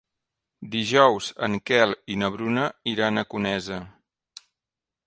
Dijous en Quel i na Bruna iran a Conesa.